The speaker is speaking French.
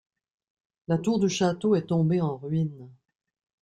La tour du château est tombée en ruine.